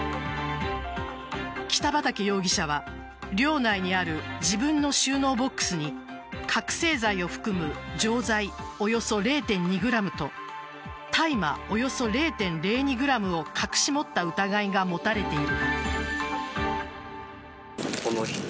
北畠容疑者は寮内にある自分の収納ボックスに覚せい剤を含む錠剤およそ０．２グラムと大麻、およそ０．０２グラムを隠し持った疑いが持たれている。